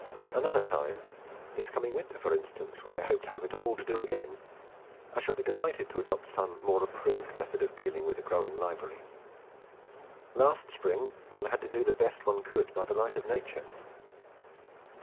Another time (this coming winter, for instance, when I hope to have it all to do again) I shall be delighted to adopt some more approved method of dealing with a growing library; last spring one had to do the best one could by the light of nature.